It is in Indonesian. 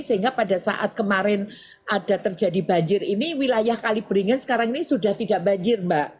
sehingga pada saat kemarin ada terjadi banjir ini wilayah kaliberingan sekarang ini sudah tidak banjir mbak